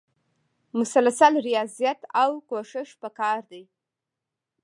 مسلسل ریاضت او کوښښ پکار دی.